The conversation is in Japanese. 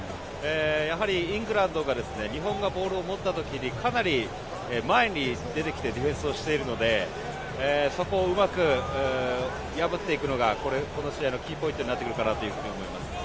やはりイングランドが日本がボールを持った時にかなり前に出てきてディフェンスをしているのでそこをうまく破っていくのがこの試合のキーポイントになると思います。